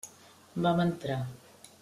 Vam entrar.